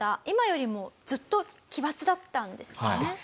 今よりもずっと奇抜だったんですよね？